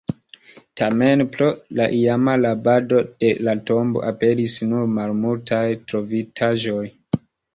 Tamen, pro la iama rabado de la tombo, aperis nur malmultaj trovitaĵoj.